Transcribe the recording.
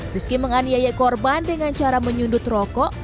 rizky menganiaya korban dengan cara menyundut rokok